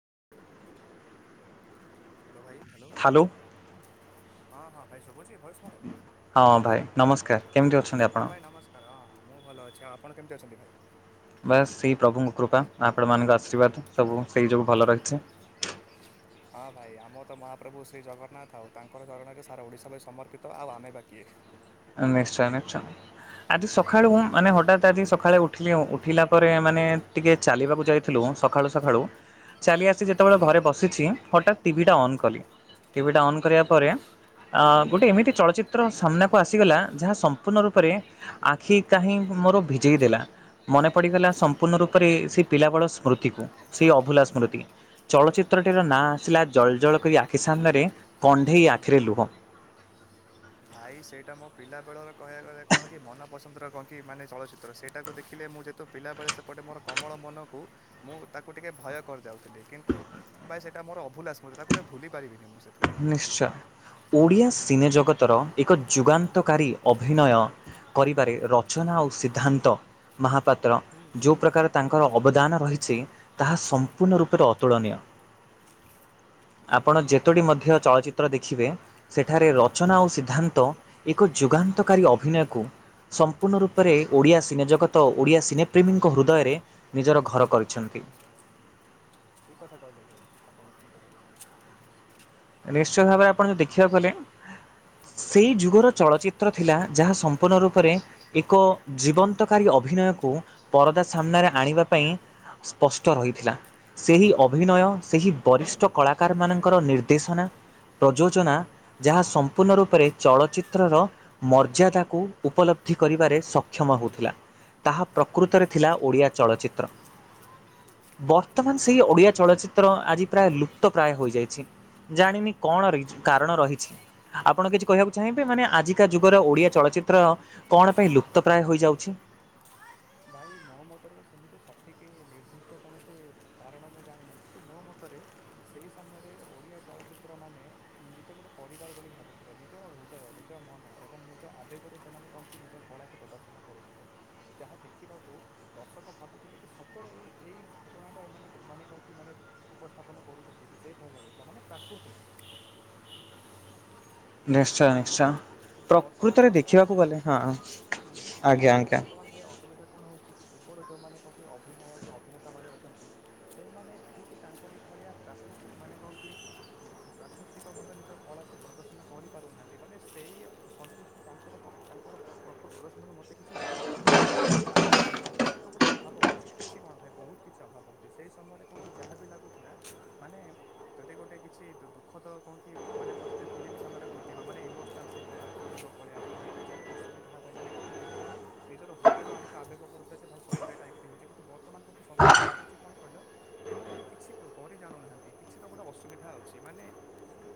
[inaudible] Hello ଭାଇ hello. Hello ହଁ ହଁ ଭାଇ ଶୁଛି ଭ ସ୍ମର ହଁ ଭାଇ ନମସ୍କାର କେମିତି ଅଛନ୍ତି ହଁ ଆପଣ। ଭାଇ ନମସ୍କାର ହଁ ମୁଁ ଭଲ ଅଛି ଆଉ ଆପଣ କେମିତି ଅଛନ୍ତି ଭାଇ। ବାସ୍ ସେଇ ପ୍ରଭୁଙ୍କ କୃପା ଆପଣ ମାନଙ୍କ ଆଶୀର୍ବାଦ ସବୁ ସେଇ ଯୋଗୁ ଭଲ ରଖିଛି। ହଁ ଭାଇ ଆମ ତ ମହାପ୍ରଭୁ ଶ୍ରୀ ଜଗନ୍ନାଥ ଆଉ ତାଙ୍କର ଚରଣରେ ସାରା ଓଡ଼ିଶା ପାଇଁ ସମର୍ପିତ ଆଉ ଆମେ ବା କିଏ ନିଶ୍ଚୟ ନିଶ୍ଚୟ। ଆଜି ସକାଳେୁଁ ମାନେ ହଠାତ୍ ଆଜି ସକାଳେ ଉଠ ଉଠିଲି ଉଠିଲା ପରେ ମାନେ ଟିକିେ ଚାଲିବାକୁ ଯାଇଥିଲୁ ସକାଳୁ ସକାଳୁ ଚାଲି ଆସି ଯେତେବେଳେ ଓ ଘରେ ବସିଛି। ହଠାତ୍ ଟିଭି ଟା ଅନ୍ କଲି ଟିଭି ଟା ଅନନ୍ କରିବା ହଁ ପରେ ହୁଁ। ଗୋଟେ ଏମିତି ଚଳଚିତ୍ର ସମ୍ନ ଆସିଗଲା ଯାହା ସମ୍ପୂର୍ଣ୍ଣ ରୂପରେ ଆଖି କାହିଁ ମୋର ଭିଜେଇ ଦେଲା ମନେ ପଡିଗଲା ସମ୍ପୂର୍ଣ୍ଣ ରୂପରେ ସେ ପିଲା ବଳ ସ୍ମୃତିକୁ ସେଇ ଅଭୁଲା ସ୍ମୃତି ଚଳଚିତ୍ରଟିର ନାଁ ଆସିଲା ଜଳ ଜଳ କରି ଆଖି ସାମ୍ନାରେ କଣ୍ଢେଇ ଆଖିରେ ଲୁହ। ଭାଇ ସେଇଟା ମୋ ପିଲାବେଳର କହିବାକୁ ଗଲେ କଣ କି ମନପସନ୍ଦର କଣ କି ମାନେ ଚଳଚ୍ଚିତ୍ର ସେଇଟାକୁ ଦେଖିଲେ ମୁଁ ଯେହେତୁ ପିଲାବେଳେ ସେପଟେ ମୋର କମଳ ମନକୁ ମୁଁ ତାକୁ ଟିକେଏ ଭୟ କରିଦାଉଥିଲି କିନ୍ତୁ ଭାଇ ସେଇଟା ମୋର ଅଭୁଲାସ ମୁଁ ତାକୁ ଭୁଲି ପାରିବିନି ମୁଁ ସେ ଫିଲ୍ମକୁ। ନିଶ୍ଚୟ ଓଡ଼ିଆା ସିନେ ଜଗତ ଏକ ଯୁଗାନ୍ତକାରୀ ଅଭିନୟ କରିବାରେ ରଚନା ଆଉ ସିଦ୍ଧାନ୍ତ। ମହାପାତ୍ର ହୁଁ ଯେଉଁ ପ୍ରକାର ତାଙ୍କର ଅବଦାନ ରହିଛି। ତାହା ହୁଁ ସମ୍ପୂର୍ଣ୍ଣ ରୂପରେ ଅତୁଳନୀୟ। ସିଦ୍ଧାନ୍ତ ମହାପାତ୍ର ଆମ ଚିତ୍ର ଦେଖିବେ ସେଠାରେ ହୁଁ ରଚନା ଓ ସିଦ୍ଧାନ୍ତ। ତ ଏକ ଯୁଗାନ୍ତକାରୀ ଅଭିନୟକୁ ସମ୍ ପୂର୍ଣ୍ଣ ରୂପରେ ଓଡ଼ିଆ ସିନେ ଜଗତ ତ ଓଡ଼ିଆ ସିନେପ୍ରେମୀଙ୍କ ହୃଦୟରେ ନିଜର ଘର କରିଛନ୍ତି। ଠିକ କଥା କହିଲେ ଭାଇ ଆପଣ ଠିକ କଥା କହେ ନିଶ୍ଚିତ ଭାବରେ ଆପଣ ଯ ଦେଖିବାକୁ ଗଲେ ସେଇ ଯୁଗର ଚଳଚିତ୍ର ଥିଲା ଯାହା ସମ୍ପୂର୍ଣ୍ଣ ରୂପରେ ଏକ ଜୀବନ୍ତକାରୀ ଅଭିନୟକୁ ପରଦା ସାମ୍ନାରେ ଆଣିବା ପାଇଁ ସ୍ପଷ୍ଟ ରହିଥିଲା ସେହି ଅଭିନୟ ସେହି ବରିଷ୍ଠ କଳାକାର ମାନଙ୍କର ନିଦ୍ ଉଦେଶନା ପ୍ରଯୋଜନା ଯାହା ସମ୍ପୂର୍ଣ୍ଣ ରୂପରେ ଚଳଚ୍ଚିତ୍ରର ମର୍ଯ୍ୟାଦାକୁ ଉପଲବ୍ଧି କରିବାରେ ସକ୍ଷମ ହେଉଥିଲା ତାହା ପ୍ରକୃତରେ ଥିଲା ଓଡ଼ିଆ ଚଳଚ୍ଚିତ୍ର ବର୍ତ୍ତମାନ ସେଇ ଓଡ଼ିଆ ଚଳଚ୍ଚିତ୍ର ଆଜି ପ୍ରାୟ ଲୁପ୍ତ ପ୍ରାୟ ହୋଇଯାଇଛି। ଜାଣିନି କଣ ର କାରଣ ରହିଛି ଆପଣ କିଛି କହିବାକୁ ଚାହିଁବେ ମାନେ ଆଜିକା ଯୁଗର ଓଡିଆ ଚଳଚିତ୍ର କଣ ପାଇଁ ଲୁପ୍ତପ୍ରାୟ ହୋଇଯାଉଛି। ଭାଇ ମୋ ମତରେ ତ ସେମିତି ସଠିକ ନିର୍ଦ୍ଦିଷ୍ଟ କୌଣସି କାରଣ ମୁଁ ଜାଣିନି କିନ୍ତୁ ମୋ ମତରେ ସେହି ସମୟରେ ଓଡ଼ିଆ ଚଳଚ୍ଚିତ୍ରମାନୋନ ନିଜେ ଗୋଟିେ ପରିବାର ବୋଲି ଭାବୁଥିଲେ ନିଜର ହୃଦୟ ନିଜ ମନ ଏବଂ ନିଜ ଆବେଗରେ ସେମାନେ କଣସି ନିଜ କଳାକୁ ପ୍ରଦର୍ଶନ କରୁଥିଲେ ଯାହା ଦେଖିବାକୁ ଦର୍ଶକ ଭାବୁଥିଲେ କି ସତରେ ଏଇ ଘଟଣା ଟା ଏମାନେ ମାନେ କୋଉଠି ମାନେ ଉପସ୍ଥାପନ କରୁଛନ୍ତି କି ସେଇ ଭୟ ଲାଗୁଥିଲା ମାନେ ପ୍ରାକୃତିକ ନିଶ୍ଚୟ କି ନିଶ୍ଚୟ ତତ୍ତ କିନ୍ତୁ ବର୍ତ୍ତମାନ ପ୍ରକୃତରେ ଭାଇ କହନ୍ତି ଦେଖିବାକୁ ଗଲେ ହଁ ହୁଁ ଆଜ୍ଞା କି ତୁ ଆଜ୍ଞା। ବର୍ତ୍ତମାନ ଭାଇ ଅସୁବିଧା କଣ ହଉଛି କି। ଏବର ଯେଉଁମାନେ କେହନ୍ତି ଅଭିନୟ କି ଅଭିନେତାମାନେ ଅଛନ୍ତି ସେମାନେ ଠିକ୍ ତାଙ୍କରି ଭଳିଆ ପ୍ରାକୃତି ମାନେ କହନ୍ତି ପ୍ରାକୃତିକ ଭାବେ ନିଜ କଳାକୁ ପ୍ରଦର୍ଶନ କରି ହାନ୍ତି ମାନେ ସେଇ ସନ୍ତୁଷ୍ଟି ତାଙ୍କରଙ୍କର ନା ପ୍ରକୃତ ରେସ୍ପନ୍ସ ମୋତେ କିଛି ମିଳୁନି ମାନେ ଲାଗୁଛି ଯେମିତି କିଛି ତ ଗୋଟେ ଅଭାବ ଅଛି କିଛି କଣ ଭାଇ ବହୁତ କିଛି ଅଭାବ ଅଛି ସେଇ ସମୟରେ କଣଠି ଯାହା ବି ଲାଗୁଥିଲା ମାନେ ଯଦି ଗୋଟେ କିଛି ଦୁଃଖତଃ କଣଠି ମାନେ ପରିସ୍ଥିତି ଫିଲ୍ମ [unintelligible] ମାନେ ଇୋସନାଲ୍ସ ସିନ୍ ଥିଲେ ଆଖିରୁ ଲୁହ ପଳେଇ ଆସୁଥିଲା କିଛି ବିି ଅସୁବିଧା ହେବ ମାନେ କହୁକି ନିଜ ନିଜ ହୃଦୟରୁ ଆମକୁ ଆବେଗ ପଡ଼ୁଥିଲା ଯେ ଭାଇ ସତରେ ଏଇଟା ହେଉଛି କିନ୍ତୁ ବର୍ତ୍ତମାନ ମୋତେ ସବୁକିଛି ଲାଗୁଛି କଣ କହିଲ ଏମାନେ କିଛି କରି ଜାଣୁନାହାନ୍ତି କିଛି ତ ଗୋଟେ ଅସୁବିଧା ଅଛି ମାନେ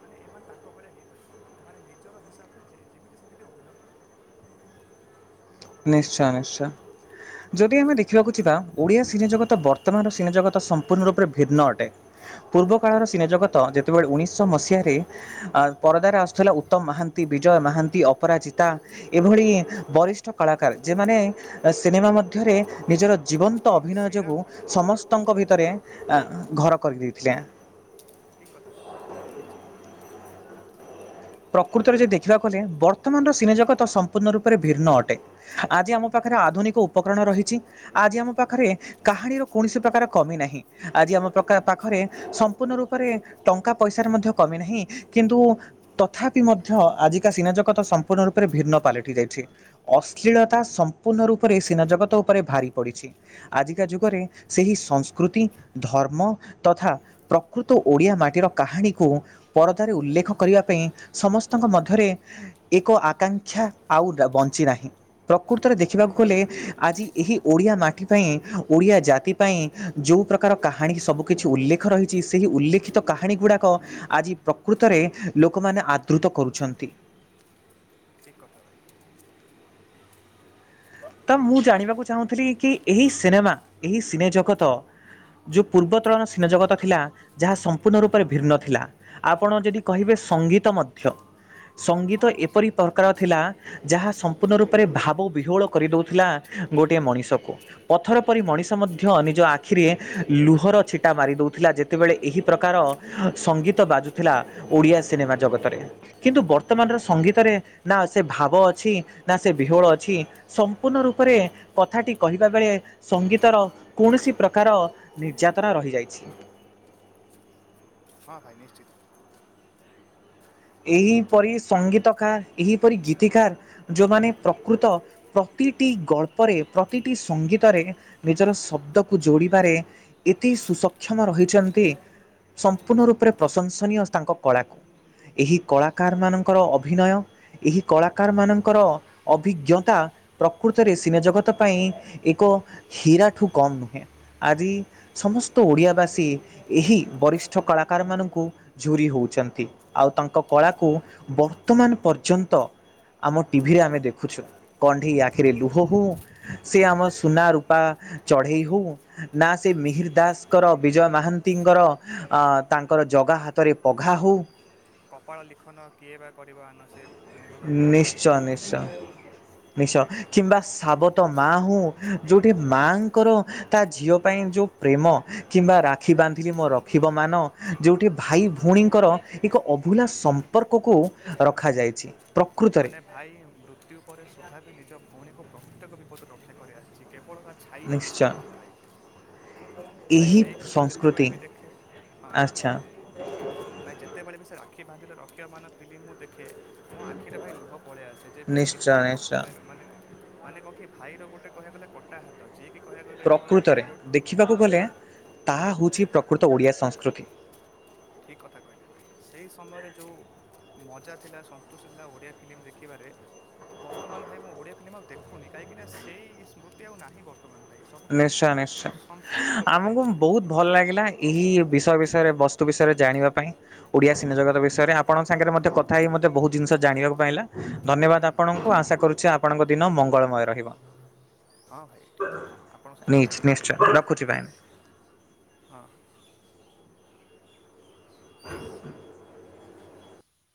ମାନେ ଏମାନେ ତାଙ୍କ ଭଳିଆ ହୋଇଇପାରିବେ ଏମାନେ ନିଜର ହିସାବ ରେ ଯେମିତି ସେମିତି ଅଭିନୟ କର ନିଶ୍ଚୟ ନିଶ୍ଚୟ ଯଦି ଆମେ ଦେଖିବାକୁ ଯିବା ଓଡିଆ ସିନେ ଜଗତ ବର୍ତ୍ତମାନର ସିନେ ଜଗତ ସମ୍ପୂର୍ଣ୍ଣ ରୂପରେ ଭିନ୍ନ ଅଟେ ପୂର୍ବ କାଳର ସିନେ ଜଗତ ଯେତେବେଳେ ଉଣେଇଶଶହ ମସିହାରେ ପରଦାରେ ଆସୁଥିଲା ଉତ୍ତମ ମହାନ୍ତି, ବିଜୟ ମହାନ୍ତି, ଅପରାଜିତା। ଏଭଳି ବରିଷ୍ଠ କଳାକାର ଯେମାନେ ସିନେମା ମଧ୍ୟରେ ନିଜର ଜୀବନ୍ତ ଭାଇ ଅଭିନୟ ଯୋଗୁଁ ଶ୍ରୀରାମ ପଣ୍ଡା ସମସ୍ତଙ୍କ ଶ୍ରୀରାମ ଭିତରେ ହୁଁ ଘର କରିଦେଇଥିଲେ। ଠିକ୍ କଥା କହିଲେ ଭାଇ ଆପଣ ନିଶ୍ଚିତ ନିଶ୍ଚିତ ପ୍ରକୃତରେ ଯଦି ଦେଖିବାକୁ ଗଲେ ବର୍ତ୍ତମାନର ସିନେଜଗତ ସମ୍ପୂର୍ଣ୍ଣ ରୂପରେ ଭିନ୍ନ ଅଟେ ଆଜି ଆମ ପାଖରେ ଆଧୁନିକ ଉପକରଣ ରହିଛି। ଆଜି ଆମ ହୁଁ ପାଖରେ କାହାଣୀର କୌଣସି ପ୍ରକାର କମି ନାହିଁ ଆଜି ଆମ ପ୍ରକା ହୁଁ ପାଖରେ ସମ୍ପୂର୍ଣ୍ଣ ରୂପରେ ଟଙ୍କା ପଇସାର ମଧ୍ୟ କମି ନାହିଁ କିନ୍ତୁ ତଥାପି ମଧ୍ୟ ଆଜିକା ସିନେଜଗତ ସମ୍ପୂର୍ଣ୍ଣ ରୂପରେ ଭିନ୍ନ ପାଲଟି ଯାଇଛି। ଅଶ୍ଳୀଳତା ସମ୍ପୂର୍ଣ୍ଣ ରୂପରେ ସିନେ ଜଗତ ଉପରେ ଭାରି ପଡ଼ିଛି। ଆଜିକା ଯୁଗରେ ସେହି ଠିକ୍ ସଂସ୍କୃତି, ଧର୍ମ ତଥା ପ୍ରକୃତ ଓଡ଼ିଆ ମାଟିର କାହାଣୀକୁ ପରଦାରେ ଉଲ୍ଲେଖ କରିବା ପାଇଁ ସମସ୍ତଙ୍କ ମଧ୍ୟରେ ଏକ ଆକାଂକ୍ଷା ଆଉ ଦା ବଞ୍ଚିନାହିଁ ପ୍ରକୃତରେ ଦେଖିବାକୁ ନାଇଁ ଗଲେ ଆଜି ଏହି ଓଡ଼ିଆ ମାଟି ପାଇଁ ଓଡ଼ିଆ ଜାତି ପାଇଁ ଯେଉଁ ପ୍ରକାର କାହାଣୀ ସବୁକିଛି ଉଲ୍ଲେଖ ରହିଛି ସେହି ଉଲ୍ଲେଖିତ କାହାଣୀ ଗୁଡ଼ାକ ଆଜି ପ୍ରକୃତରେ ଲୋକମାନେ ଆଦୃତ କରୁଛନ୍ତି। ଠିକ କଥା କହିଲ। ତ ମୁଁ ଜାଣିବାକୁ ଚାହୁଁଥିଲି କି ଏହି ସିନେମା ଏହି ସିନେ ଜଗତ ଯୋଉ ପୂର୍ବତଳର ସିନେ ଜଗତ ଥିଲା ଯାହା ସମ୍ପୂର୍ଣ୍ଣ ରୂପରେ ଭିନ୍ନ ଥିଲା, ଆପଣ ଯଦି କହିବେ ସଙ୍ଗୀତ ମଧ୍ୟ ହଁ ସଙ୍ଗୀତ ହଁ ଏପରି ସଙ୍କିତା ପ୍ରକାର ଥିଲା ଯାହା ପୂର୍ଣ ରୂପରେ ଭାବ ବିହୋଳ। କରିଦେଉଥିଲା ଗୋଟିଏ ମଣିଷକୁ ପଥର ପରି ମଣିଷ ଠିକ୍ ମଧ୍ୟ ନିଜ ଆଖିରେ ଲୁହର ଛିଟା ମାରି ଦେଉଥିଲା ଯେତେବେଳେ ଏହି ପ୍ରକାର ସଙ୍ଗୀତ ବାଜୁଥିଲା ଓଡ଼ିଆ ସିନେମା ଜଗତରେ କିନ୍ତୁ ବର୍ତ୍ତମାନର ସଙ୍ଗୀତରେ ନା ସେ ଭାବ ଅଛି ନା ସେ ବିହୋଳ ଅଛି। ସମ୍ପୂର୍ଣ୍ଣ ରୂପରେ କଥାଟି କହିବା ବେଳେ ସଙ୍ଗୀତର କୌଣସି ପ୍ରକାର ନିର୍ଯାତନା ରହିଯାଇଛି। ହଁ ଭାଇ ନିଶ୍ଚିତ। ଏହିପରି ସଙ୍ଗୀତକାର ଏହିପରି ଗୀତିକାର ଯୋଉମାନେ ପ୍ରକୃତ ପ୍ରତିଟି ଗଳ୍ପରେ ପ୍ରତିଟି ସଙ୍ଗୀତରେ ନିଜର ଶବ୍ଦକୁ ଯୋଡିବାରେ ଏତେ ସୁସକ୍ଷମ ରହିଛନ୍ତି ସମ୍ପୂର୍ଣ୍ଣ ରୂପରେ ପ୍ରଶଂସନୀୟ ତାଙ୍କ କଳାକୁ। ଏହି କଳାକାର ମାନଙ୍କର ଅଭିନୟ ଏହି କଳାକାର ମାନଙ୍କର ଅଭିଜ୍ଞତା ପ୍ରକୃତରେ ସିନେ ଜଗତ ପାଇଁ ଏକ ହୀରାଠୁ କମ୍ ନୁହେଁ ଆଜି ସମସ୍ତ ଓଡ଼ିଆବାସୀ ଏହି ବରିଷ୍ଠ କଳାକାର ମାନଙ୍କୁ ଝୁରି ହେଉଛନ୍ତି। ଆଉ ତାଙ୍କ କଳାକୁ ବର୍ତ୍ତମାନ ପର୍ଯ୍ୟନ୍ତ ଆମ ଟିଭିରେ ଆମେ ଦେଖୁଛୁ କଣ୍ଢେଇ ଆଖିରେ ଲୁହ ହଉ ସେ ଆମ ସୁନା ରୂପା ଚଢ଼େଇ ହଉ। ନା ସେ ମିହିର ଦାସଙ୍କର ବିଜୟ ମହାନ୍ ତିଙ୍କର ଅ ହୁଁ ତାଙ୍କର ଜଗା ହାତ ତରେ ପଘା ହେଉ। କପାଳ ଲିଖନ କିଏ ବା କରିବା ଆନନ୍ଦେ ନିଶ୍ଚୟ ନିଶ୍ଚୟ ନିଶ୍ଚୟ ସେଇଟା ତ ଭାଇ କିମ୍ବା ସାବତ ମା ହଉ ଯୋଉଠି ହୁଁ ମାଙ୍କର ତା ଝିଅ ପାଇଁ ଯେଉଁ ପ୍ରେମ କିମ୍ବା ରାକ୍ଷୀ ବାନ୍ଧିଲି ମୋ ରଖିବ ମାନ ଯେଉଁଠି ହୁଁ ଭାଇ ଭଉଣୀଙ୍କର ଏକ ଅଭୁଲା ସମ୍ପର୍କକୁ ରଖାଯାଇଛି। ପ୍ରକୃତରେ ମାନେ ଭାଇ ମୃତ୍ୟୁ ପରେ ସୁଧା ବି ନିଜ ଭଉଣୀକୁ ପ୍ରତ୍ୟେକ ବିପଦରୁ ରକ୍ଷା କରିଆସିଛି କେ କେବଳ ତା ଛାଇ ହେଇକି ନିଶ୍ଚୟ ସବୁବେଳେ ସେ ଥାଇକି ଭାଇ ଏହି ସେଇ ଫିଲ୍ମ ଯେତେବେଳେ ସଂସ୍କୃତି ବି ଦେଖେ ହଁ ଭାଇ ଆଚ୍ଛା କୁହନ୍ତୁ ଭାଇ ଯେତେବେଳେ ବି ସେ ରା ରାକ୍ଷୀ ବାନ୍ଧିଲେ ରଖିବ ମାନ ଫିଲ୍ମ ମୁଁ ଦେଖେ ମୋ ଆ ରେ ଭାଇ ଲୁହ ପଳିଆସେ ଯେ ଭାଇ ନିଶ୍ଚୟ କେତେ ନିଶ୍ଚୟ କଷ୍ଟରେ ମାନେ ମାନେ କହ କି ଭାଇର ଗୋଟେ କହିବାକୁ ଗଲେ କଟା ହାତ ଯିଏ ପ୍ରକୃତରେ ଦେଖିବାକୁ ଗଲେ ମାନେ ହଁ ତାହା ହେଉଛି ପ୍ରକୃତ ଓଡ଼ିଆ ସଂସ୍କୃତି। ଠିକ୍ କଥା କହିଲେ ଭାଇ ସେହି ସମୟରେ ଯେଉଁ ମଜା ଥିଲା ସନ୍ତୁଷ୍ଟ ଥିଲା ଓଡ଼ିଆ ଫିଲ୍ମ ଦେଖିବାରେ ବର୍ତ୍ତମାନ ଭାଇ ମୁଁ ଓଡ଼ିଆ ଫିଲ୍ମ ବର୍ତ୍ତମାନ ଭାଇ ସବୁକିଛି ନିଶ୍ଚୟ ସମ୍ପୂର୍ଣ୍ଣ ନିଶ୍ଚୟ ଲୋପ ଆମକୁ ପାଇଗଲାଣି ବହୁତ ଭଲ ଲାଗିଲା ଏହି ବିଷୟ ବିଷୟରେ ବ ବୁ ବିଷୟରେ ଜାଣିବା ପାଇଁ ଓଡ଼ିଆ ସିନେ ହୁଁ ଜଗତ ବିଷୟରେ ଆପଣ ସାଙ୍ଗରେ ମୋେ କଥା ହେଇ ମତେ ବହୁତ ଜିନିଷ ଜାଣକୁ ପାଇଲା। ଧନ୍ୟବାଦ ହୁଁ ଆପଣଙ୍କୁ ଆଶା କରୁଛି ଆପଣଙ୍କ ଦିନ ମଙ୍ଗଳମୟ ରହିବ। ହଁ ଭାଇ ଠିକ କ ଆପଣଙ୍କ ସହିତ କଥା ନିଚ୍ ହେକି ମୋତେ ନିଶ୍ଚୟ ଭଲ ଲାଗିଲା ରଖୁଛି ଭାଇନା। ହଁ ହଁ। [inaudible]